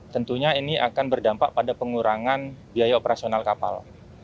tentunya ini akan berdampak pada pengurangan biaya operasional kapal